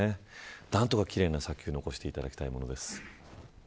何とか奇麗な砂丘を残していただきたいものです。